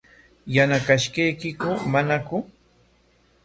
¿Yanaqashqaykiku manaku?